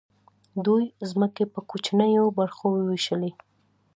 دوی ځمکې په کوچنیو برخو وویشلې.